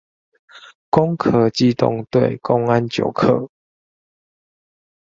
攻殼機動隊公安九課